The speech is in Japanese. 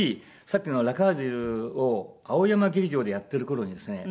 さっきの『ラ・カージュ』を青山劇場でやってる頃にですね